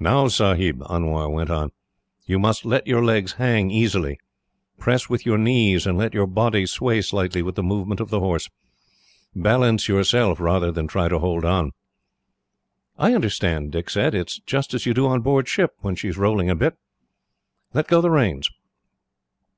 "Now, Sahib," Anwar went on, "you must let your legs hang easily. Press with your knees, and let your body sway slightly with the movement of the horse. Balance yourself, rather than try to hold on." "I understand," Dick said. "It is just as you do on board ship, when she is rolling a bit. Let go the reins."